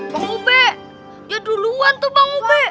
bang ube jaduluan tuh bang ube